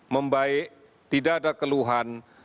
membaik tidak ada keluhan